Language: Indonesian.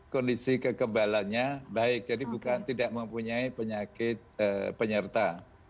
kondisi kekebalannya baik jadi bukan tidak mempunyai penyakit penyerta